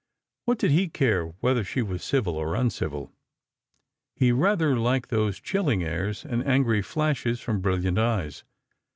What did he care whether she were civil or uncivil ? iJe rather liked those chilling airs, and angry flashes from brilliant eyes.